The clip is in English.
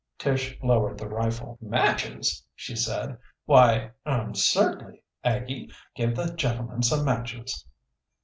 Tish lowered the rifle. "Matches!" she said. "Why er certainly. Aggie, give the gentleman some matches."